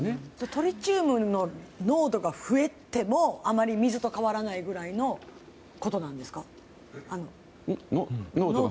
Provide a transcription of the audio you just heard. トリチウムの濃度が増えてもあまり水と変わらないぐらいのことなんですか。